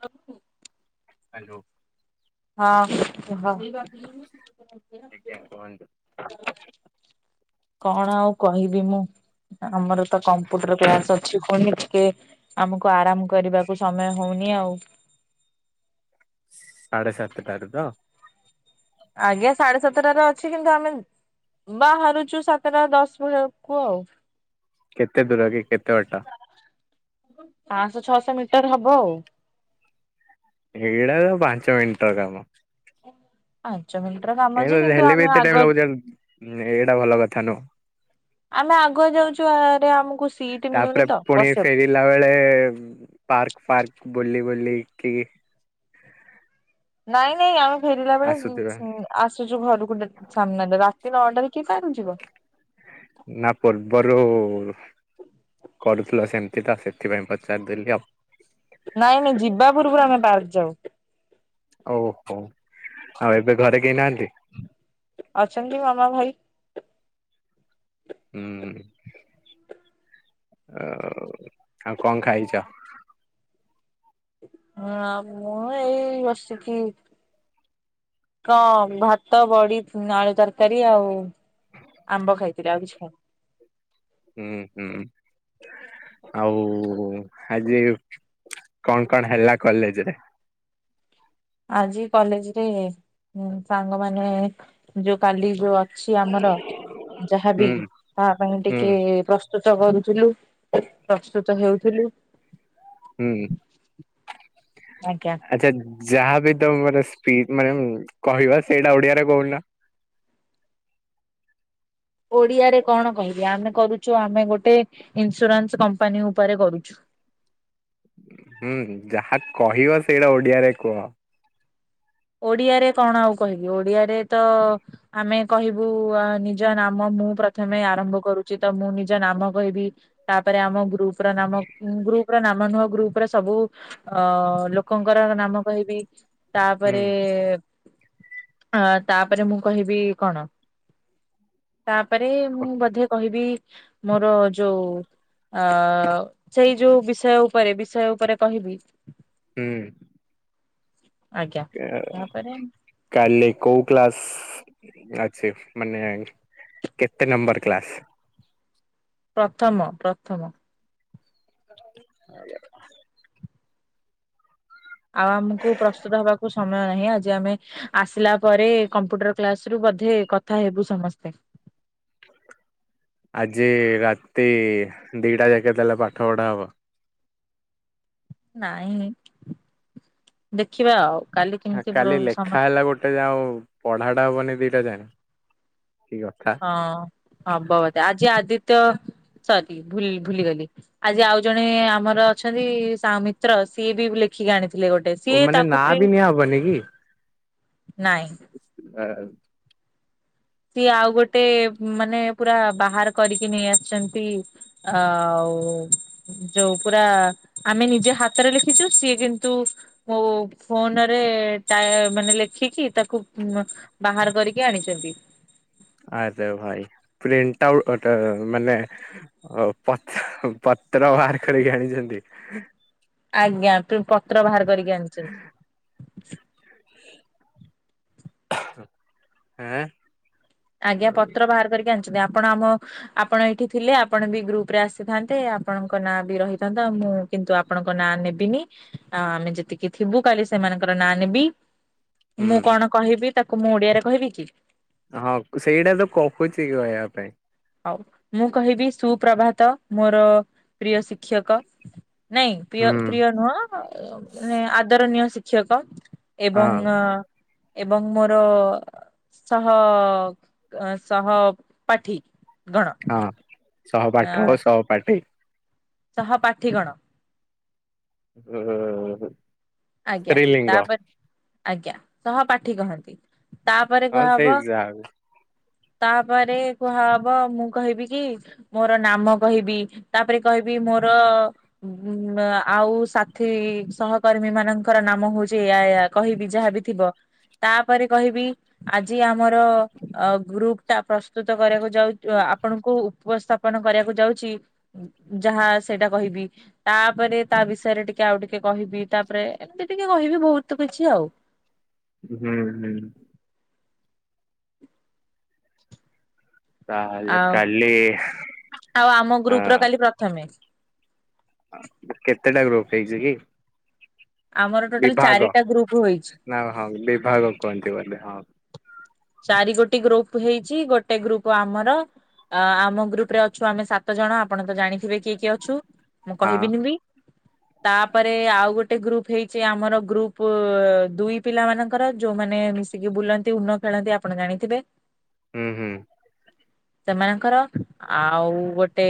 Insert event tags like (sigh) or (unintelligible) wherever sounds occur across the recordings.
ହଉ। (unintelligible) ହାଲୋ। ହଁ। ଆଜ୍ଞା (unintelligible) (inaudible) କଣ ଆଉ କହିବି ମୁଁ। ଆମର ତ କମ୍ପ୍ୟୁଟର କ୍ଲାସ ଅଛି ପୁଣି ଟିକେ। ଆମକୁ ଆରାମ କରିବାକୁ ସମୟ ହଉନି ଆଉ। ସାଢେ ସାତଟାରୁ ତ। ଆଜ୍ଞା ସାଢେ ସାତଟାରେ ଅଛି କିନ୍ତୁ ଆମେ। ବାହାରୁଛୁ ସାତଟା ଦଶ କୁ ଆଉ। କେତେ ଦୂର କି କେତେ ବାଟା। ପାଞ୍ଚଶହ ଛଅଶହ ମିଟର ହବ ଆଉ। ହେଡା ପାଞ୍ଚ ମିିନିଟ ର କାମ। ପାଞ୍ଚ ମିନିଟ ର କାମ ଏ ଅଛି କିନ୍ତୁ ହେଲେ ବି ଆମେ ଏତେ ଟାଇମ ଆଗ ଲାଗୁଛି ଏଇଟା ଭଲ କଥା ନୁହଁ ଆମେ ଆଗୁଆ ଯାଉଛୁ ଭାରି ଆମକୁ ସିଟ ମିଳୁନି ତ ବସିବାକୁ। ପିଲା ବେଳେ ପାର୍କ ଫାର୍କ ବୁଲି ବୁଲିକି। ନାଇଁ ନାଇଁ ଆମେ ଫେରିଲା ବେଳେ ଆସୁଥିବେ ଆସୁଛୁ ଘରକୁେ (unintelligible) ସାମ୍ନାରେ ରାତି ନଅଟାରେ କିଏ କାହା ଘରକୁଯିବ। ନା ପୂର୍ବରୁ। କରୁଥିଲ ସେମିତି ତ ସେଥିପାଇଁ ପଚାରିଦେଲି ଆଉ। ନାଇଁ ନାଇଁ ଯିବା ପୂର୍ବରୁ ଆମେ ପାର୍କ ଯାଉ। ଓହୋ ଆଉ ଏବେ ଘରେ କେହି ନାହାନ୍ତି। ଅଛନ୍ତି ମାମା, ଭାଇ। ହୁଁ ଆଉ କଣ ଖାଇଛ। ନା ମ ଏଇ ବସିକି। କଣ ଭାତ, ବଡି ଆଳୁ, ତରକାରୀ ଆଉ। ଆମ୍ବ ଖାଇଥିଲି ଆଉ କିଛି ଖାଇି। ହୁଁ ହୁଁ। ଆଉ ଆଜି କଣ କଣ ହେଲା କଲେଜ ରେ। ଆଜି କଲେଜରେ ସାଙ୍ଗମାନେ ଯୋଉ କାଲି ଯୋଉ। ଅଛି ଆମର ଯାହାବି ହୁଁ ତା ପାଇଁ ଟିକେ ହୁଁ ପ୍ରସ୍ତୁତ। ପ୍ରସ୍ତୁତ କରୁଥିଲୁ ପ୍ରସ୍ତୁତ ହେଉଥିଲୁ। ହୁଁ। ଆଜ୍ଞା। ଆଚ୍ଛା ଯାହାବି ତମେ ମାନେ ସ୍ପିମାନେ କହିବା ସେଇଟା ଓଡିଆରେ କହୁନ। ଓଡିଆରେ କଣ କହିବି ଆମେ କରୁଛୁ ଆମେ ଗୋଟେ ଇନ୍ସୁରାନ୍ସ କମ୍ପାନୀ ଉପରେ କରୁଛୁ। ହୁଁ ଯାହା କହିବ ସେଇଟା ଓଡିଆରେ କୁହ। ଓଡିଆରେ କଣ ଆଉ କହିବି ଓଡିଆରେ ତ ଆମେ କହିବୁ ନିଜ ନାମ ମୁଁ ପ୍ରଥମେ ଆରମ୍ଭ କରୁଛି ତ ମୁଁ ନିଜ ନାମ କହିବି। ତାପରେ ଆମ ଗ୍ରୁପ ର ନାମ ଗ୍ରୁପ ର ନାମ ନୁହଁ ଗ୍ରୁପରେ ସବୁ। ଅ ଲୋକଙ୍କର ନାମ କହିବି ତା। ହୁଁ ତାପରେ ଅ ତାପରେ ମୁଁ କହିବି କଣ। ତାପରେ ମୁଁ କ- ବୋଧେ କହିବି। ମୋର ଯୋଉ ଅ ସେଇ ଯୋଉ ବିଷୟ ଉପରେ ବିଷୟ ଉପରେ କହିବି। ହୁଁ। ଆଜ୍ଞା। ତାପରେ କାଲି କୋଉ କ୍ଲାସ। ଅଛି ମାନେ କେତେ ନମ୍ବର କ୍ଲାସ। ପ୍ରଥମ ପ୍ରଥମ। ଆ (inaudible) ଆଉ ଆମକୁ ପ୍ରସ୍ତୁତ ହବାକୁ ସମ୍। ସମୟ ନାହିଁ ଆଜି ଆମେ ଆସିଲା ପରେ କମ୍ପ୍ୟୁଟର କ୍ଲାସ ରୁ ବୋଧେ କଥା ହେବୁ ସମସ୍ତେ। ଆଜି ରାତି ଦିଟା ଯାକେ ତାହେଲେ ପାଠ ପଢା ହବ। ନାଇଁ ଦେଖିବା ଆଉ। କାଲି ହଁ କେମିତି ପ୍ର କାଲି ସମ ଲେଖା ହେଲା ଗୋଟେ ଯାଏ ଆଉ ପଢାଟା ହବନି ଦିଟା ଯାଏ କି କଥା। ହଁ ହବ ବଧେ ଆଜି ଆଦିତ୍ୟ ସରି ଭ ଭୁଲିଗଲି। ଆଜି ଆଉ ଜଣେ ଆମର ଅଛନ୍ତି ସାଉମିତ୍ର ସିଏ ବି ଲେଖିକି ଆଣିଥିଲେ ଗୋଟେ। ଓ ସିଏ ମାନେ ତାକୁ ନାଁ ବି ପ୍ରିଣ୍ଟ ନିଆଁ ହବନି କି। ନାଇଁ। (inaudible) ସିଏ ଆଉ ଗୋଟେ ମାନେ ପୁରା ବାହାର କରିକି ନେଇ ଆସିଛନ୍ତି। ଆଉ। ଯୋଉ ପୁରା ଆମେ ନିଜେ ହାତରେ ଲେଖିଛୁ ସିଏ କିନ୍ତୁ। ମୋ ଫୋନରେ ଟାଏ ମାନେ ଲେଖିକି ତାକୁ। ବାହାର କରିକି ଆଣିଛନ୍ତି। ଆଯାୟୋ ଭାଇ ପ୍ରିଣ୍ଟ ଆଉଟ୍ ମାନେ ହଉ ପତ୍ର ପତ୍ର ବାହାର କରିକି ଆଣିଛନ୍ତି। ଆଜ୍ଞା ପତ୍ର ବାହାର କରିକି ଆଣିଛନ୍ତି। ହଁ (unintelligible) ଆଜ୍ଞା ପତ୍ର ବାହାର କରିକି ଆଣିଛନ୍ତି ଆପଣ ଆମ ଆପଣ ଏଇଠି ଥିଲେ ଆପଣ ବି ଗ୍ରୁପ୍ ରେ ଆସିଥାନ୍ତେ ଆପଣଙ୍କ ନାଁ ବି ରହିଥାନ୍ତତା ଆଉ ମୁଁ କିନ୍ତୁ ଆପଣଙ୍କ ନାଁ ନେବିନି ଆମେ ଯେତିକି ଥିବୁ କାଲି ସେମାନଙ୍କର ନାଁ ନେବି ମୁଁ ହୁଁ। କଣ କହିବି ତାକୁ ମୁଁ ଓଡିଆରେ କହିବି କି? ହଁ ସେଇଟା ତ କହୁଛି କହିବା ପାଇଁ। ଆଉ ମୁଁ କହିବି ସୁପ୍ରଭାତ ମୋର ପ୍ରିୟ ଶିକ୍ଷକ। ନାଇଁ ପ୍ରିୟ ହୁଁ ପ୍ରିୟ ନୁହ ଆଦରଣୀୟ ଶିକ୍ଷକ। ହଁ ଏବଂ ଆ ଏବଂ ମୋର ସହ ସହ ପାଠୀ। ଗଣ ହଁ ସହପାଠ ଓ ସହପାଠୀ। ସହପାଠୀ ଗଣ। ହୁ ହୁ ହ। ଆଜ୍ଞା ତାପରେ ଆଜ୍ଞା ସହପାଠୀ କହନ୍ତି। ତାପରେ ହଁ କୁହା ସେଇ ହବ ଯା ତାପରେ କୁହା ହବ ମୁଁ କହିବି କି ମୋର ନାମ କହିବି ତାପରେ କହିବି ମୋର ମ ଆଉ ସାଥି ସହକର୍ମୀ ମାନେ ଙ୍କର ନାମ ହଉଛି ଏଇଆ ଏୟା କହିବି ଯାହାବି ଥିବ। ତାପରେ କହିବି ଆଜି ଆମର ଅ ଗ୍ରୁପଟା ପ୍ରସ୍ତୁତ କରିବା (unintelligible) ଆପଣଙ୍କୁ ଉପସ୍ଥାପନା କରିବାକୁ ଯାଉଛି ଯାହା ସେଇଟା କହିବି, ତାପରେ ତା ବିଷୟରେ ଟିକେ ଆଉ ଟିକେ କହିବି ତାପରେ ଏମିତି କହିବି ବହୁତ କିଛି ଆଉ। ହୁଁ ହୁଁ। ତାହେଲେ ଆଉ କାଲି ଆଉ ଆମ ଗ୍ରୁପ ର ହଁ କାଲି ପ୍ରଥମେ। କେତେଟା ଗ୍ରୁପ ହେଇଛି କି? ଆମର ଟୋଟାଲ ବିଭାଗ ଚାରିଟା ଗ୍ରୁପ ହେଇଛି। ହଁ ହ ବିଭାଗ କୁହନ୍ତ ବଧେ ହଁ। ଚାରି ଗୋଟିେ ଗ୍ରୁପ ହେଇଛି, ଗୋଟେ ଗ୍ରୁପ ଆମର ଅ ଆମ ଗ୍ରୁପ ରେ ଅଛୁ ଆମେ ସାତ ଜଣ ଆପଣ ତ ଜାଣିଥିବେ କିଏ କିଏ ଅଛୁ ମୁଁ ହଁ କହିବିନି ବି। (inaudible) ତାପରେ ଆଉ ଗୋଟେ ଗ୍ରୁପ ହେଇଛି ଆମର ଗ୍ରୁପ ଦୁଇ ପିଲା ମାନଙ୍କର, ଯୋଉମାନେ ିକେ ବୁଲନ୍ତି ଉନ ଖେଳନ୍ତି ଆପଣ ଜାଣିଥିବେ। ହୁଁ ହୁଁ। ସେମାନଙ୍କର, ଆଉ ଗୋଟେ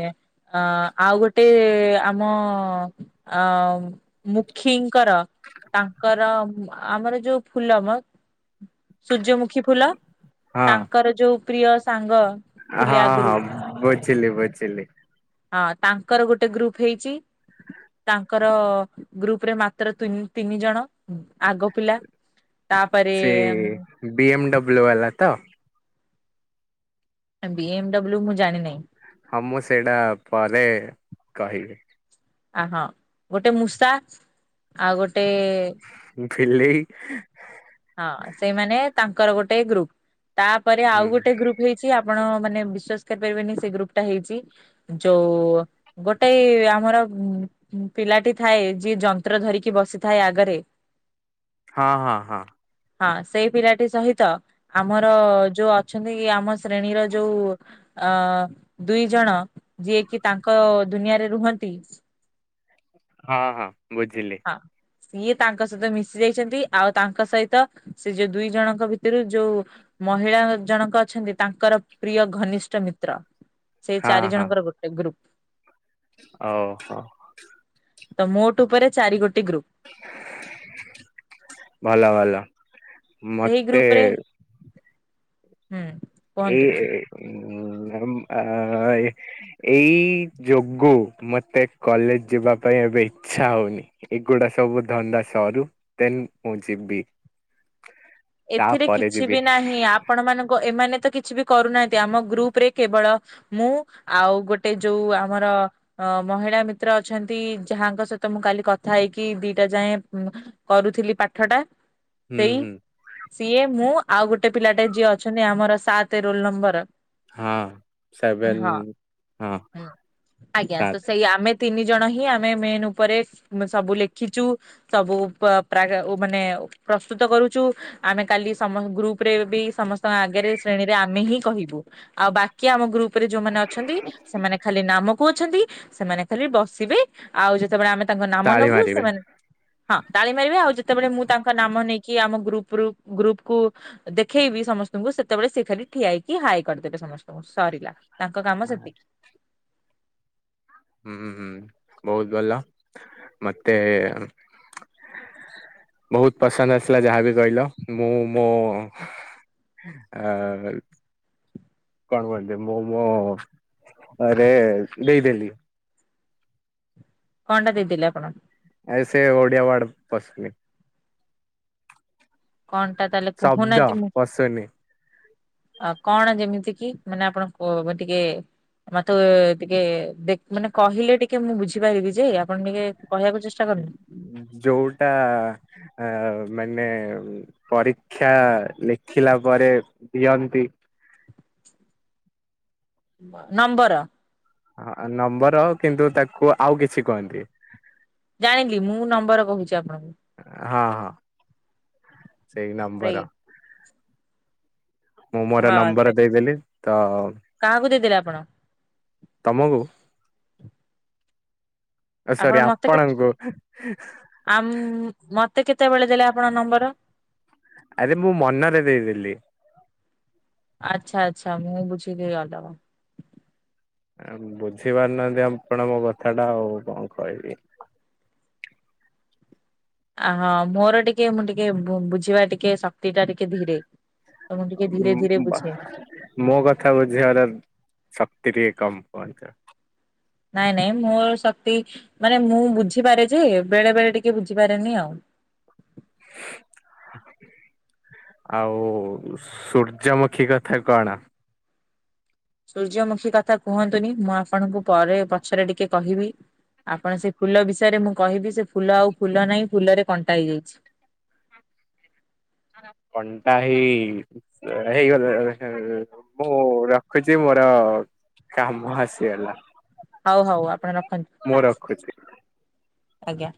ଅ ଆଉ ଗୋଟେ ଆମ ଅ ଙ୍ଖି ଙ୍କର ତାଙ୍କର ଆମର ଯୋଉ ଫୁଲମ। ସୂର୍ଯ୍ୟମୁଖୀ ଫୁଲ ହଁ ତାଙ୍କର ଯୋଉ ପ୍ରିୟ ସାଙ୍ଗ ଥିଲେ ହଁ ଆଗରୁ ହଁ, ବୁଝିଲି ବୁଝିଲି। ହଁ ତାଙ୍କର ଗୋଟେ ଗ୍ରୁପ ହେଇଛି ତାଙ୍କର ଗ୍ରୁପ ରେ ମାତ୍ର ତି ତିନି ଜଣ ଆଗ ପିଲା ତାପରେ ଏ ବି ଏମ ଡବ୍ଲୁ ବାଲା ତ? ବି ଏମ ଡବ୍ଲ୍ୟୁ ମୁଁ ଜାଣିିନି। ହଁ ମୁଁ ସେଇଟା ପରେ କହିବି। ଆ ହଁ, ଗୋଟେ ମୂଷା ଆଉ ଗୋଟେ ବିଲେଇ? ହଁ ସେଇମାନେ ତାଙ୍କର ଗୋଟେ ଗ୍ରୁପ। ତାପରେ ହୁଁ ଆଉ ଗୋଟେ ଗ୍ରୁପ ହେଇଛି ଆପଣ ମାନେ ବିଶ୍ଵାସ କରିପାରିବେନି ସେ ଗ୍ରୁପ ଟା ହେଇଛି ଯୋଉ ଗୋଟେ ଆମର ପିଲାଟି ଥାଏ ଯିଏ ଯନ୍ତ୍ର ଧରିକି ବସିଥାଏ ଆଗରେ। ହଁ ହଁ ହଁ। ହଁ ସେଇ ପିଲାଟି ସହିତ ଆମର ଯୋଉ ଅଛନ୍ତି କି ଆମ ଶ୍ରେଣୀର ଯୋଉ ଅ ଦୁଇ ଜଣ ଯିଏକି ତାଙ୍କ ଦୁନିଆରେ ରୁହନ୍ତି। ହଁ ହଁ ବୁଝିଲି। ହଁ, ଈଏ ତାଙ୍କ ସହିତ ମିଶି ଯାଇଛନ୍ତି ଆଉ ତାଙ୍କ ସହିତ ସେ ଯୋଉ ଦୁଇ ଜଣଙ୍କ ଭିତରୁ ଯୋଉ ମହିଳା ଜଣକ ଅଛନ୍ତି ତାଙ୍କର ପ୍ରିୟ ଘନିଷ୍ଠ ମିତ୍ର। ସେଇ ହଁ ଚାରି ହଁ ଜଣଙ୍କର ଗୋଟେ ଗ୍ରୁପ। ଓହୋ। ତ ମୋଟ ଉପରେ ଚାରି ଗୋଟି ଗ୍ରୁପ। ଭଲ ଭଲ। ସେଇ ମତେ ଗ୍ରୁପ ରେ ହୁଁ। ଏ କୁହନ୍ତୁ। ମ୍ୟାଡ଼ାମ ଆ ଏ ଏଇ ଯୋଗୁ ମତେ କଲେଜ ଯିବା ପାଇଁ ଏବେ ଇଚ୍ଛା ହଉନି। ଏଗୁଡା ସବୁ ଧନ୍ଦା ସରୁ ଦେନ୍ ମୁ ଜିିବି। ଏଥିରେ କିଛି ବି ନାହିଁ ଆପଣ ମାନଙ୍କୁ ଏମାନେ ତ କିଛି ବି କରୁନାହାନ୍ତି ଆମ ଗ୍ରୁପରେ କେବଳ ମୁଁ ଆଉ ଗୋଟେ ଯୋଉ ଆମର ଅ ମହିଳା ମିତ୍ର ଅଛନ୍ତି ଯାହାଙ୍କ ସହିତ ମୁଁ କାଲି କଥା ହେଇକି ଦିଇଟା ଯାଏଁ କରୁଥିଲି ପାଠଟା। ହୁଁ, ହୁଁ। ସିଏ ମୁଁ ଆଉ ଗୋଟେ ପିଲାଟେ ଯିଏ ଅଛନ୍ତି ଆମର ସାତ ରୋଲ ନମ୍ବର। ହଁ ସେଭେନ ହଁ, ହଁ ହୁଁ ଆଜ୍ଞା ତ ସାତ ସେଇ ଆମେ ତିନି ଜଣ ହିଁ ଆମେ ମେନ୍ ଉପରେ ସବୁ ଲେଖିଚୁ। ସବୁ ପ ପ୍ରାୟ ମାନେ ପ୍ରସ୍ତୁତ କରୁଛୁ। ଆମେ କାଲି ସମ ଗ୍ରୁପରେ ବି ସମସ୍ତଙ୍କ ଆଗରେ ଶ୍ରେଣୀରେ ଆମେ ହିଁ କହିବୁ। ଆଉ ବାକି ଆମ ଗ୍ରୁପ୍ ଉପରେ ଯୋଉମାନେ ଅଛନ୍ତି ସେମାନେ ଖାଲି ନାମକୁ ଅଛନ୍ତି ସେମାନେ ଖାଲି ବସିବେ, ଆଉ ଯେତେବେଳେ ଆମେ ତାଙ୍କ ନାମ ତାଳି ନବୁ ମାରିବେ ସେମାନେ ହଁ ତାଳି ମାରିବେ ଆଉ ଯେତେବେଳେ ମୁଁ ତାଙ୍କ ନାମ ନେଇକି ଆମ ଗ୍ରୁପ୍ ରୁ ଗ୍ରୁପ୍ କୁ ଦେଖେଇବି ସମସ୍ତଙ୍କୁ ସେତେବେଳେ ସିଏ ଖାଲି ଠିଆହେଇକି ହାଏ କରିଦେବେ ସମସ୍ତଙ୍କୁ। ସରିଲା ତାଙ୍କ କାମ ସେତିକି। ହୁଁ ହୁଁ ବହୁତ ଭଲ, ମତେ ବହୁତ ପସନ୍ଦ ଆସିଲା ଯାହାବି କହିଲ ମୁଁ ମୋ ଆ କଣ କୁହନ୍ତି ମୁଁ ମୋ ରେ ଦେଇଦେଲି। କଣ ଟା ଦେଇଦେଲେ ଆପଣ? ଆଇ ସେ ଓଡିଆ ୱାର୍ଡ ପଶୁନି। କଣ ଟା ତା ହେଲେ ଶବ୍ଦ କହୁନାହାନ୍ତି ମୁଁ ପଶୁନି ଆ କଣ ଯେମିତିକି ମାନେ ଆପଣ କ ଟିକେ ମତେ ଟିକେ ଦେ ମାନେ କହିଲେ ଟିକେ ମୁଁ ବୁଝିପାରିବି ଯେ ଆପଣ ଟିକେ କହିବାକୁ ଚେଷ୍ଟା କରନୁ। ଯୋଉଟା ଆ ମାନେ ପରୀକ୍ଷା ଲେଖିଲା ପରେ ଦିଅନ୍ତି ଅ ନମ୍ବର ହଁ ନମ୍ବର କିନ୍ତୁ ତାକୁ ଆଉ କିଛି କୁହନ୍ତି ଜାଣିଲି ମୁଁ ନମ୍ବର କହୁଛି ଆପଣଙ୍କୁ ହଁ ସେଇ ନମ୍ବର। ମୁଁ ମୋର ହଁ ସେ ନମ୍ବର ଦେଇଦେଲି ତ କାହାକୁ ଦେଇଦେଲେ ଆପଣ? ତମକୁ। ଓ ଆପଣ ସରି ମତେ କେ ଆପଣଙ୍କୁ। ଆମ୍ ମତେ କେତେବେଳେ ଦେଲେ ଆପଣଙ୍କ ନମ୍ବର? ଆରେ ମୁଁ ମନରେ ଦେଇଦେଲି। ଆଚ୍ଛା ଆଚ୍ଛା ମୁଁ ବୁଝିଲି ଅଲଗା। ବୁଝି ପାରୁନାହାନ୍ତି ଆପଣ ମୋ କଥାଟା ଆଉ କଣ କହିବି। ଆ ହଁ ମୋର ଟିକେ ମୁଁ ଟିକେ ବୁଝିବା ଟିକେ ଶକ୍ତିଟା ଟିକେ ଧୀରେ। ତ ମୁଁ ଟିକେ ଧୀରେ ଧୀରେ ବୁଝେ। ମୋ କଥା ବୁଝିବାର ଶକ୍ତି ଟିକେ କମ୍ ପହଁଞ୍ଚ ନାଇଁ ନାଇଁ ମୋର ଶକ୍ତି ମାନେ ମୁଁ ବୁଝିପାରେ ଯେ ବେଳେ ବେଳେ ଟିକେ ବୁଝିପାରେନି ଆଉ। (inaudible) ଆଉ ସୂର୍ଯ୍ୟମୁଖୀ କଥା କଣ? ସୂର୍ଯ୍ୟମୁଖୀ କଥା କୁହନ୍ତୁନି ମୁଁ ଆପଣଙ୍କୁ ପରେ ପଛରେ ଟିକେ କହିବି ଆପଣ ସେ ଫୁଲ ବିଷୟରେ ମୁଁ କହିବି ସେ ଫୁଲ ଆଉ ଫୁଲ ନାହିଁ ଫୁଲରେ କଣ୍ଟା ହେଇଯାଇଛି। କଣ୍ଟା ହେଇ ହେଇଗଲା ମୁଁ ରଖୁଛି ମୋର କାମ ଆସିଗଲା। ହଉ ହଉ ଆପଣ ରଖନ୍ତୁ। ମୁଁ ରଖୁଛି। ଆଜ୍ଞା।